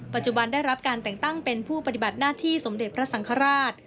ปัจจุบันได้รับการแต่งตั้งเป็นผู้ปฏิบัติหน้าที่สมเด็จพระสังฆราช